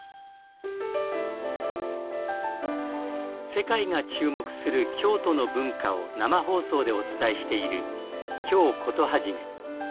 世界が注目する京都の文化を生放送でお伝えしている「京コトはじめ」。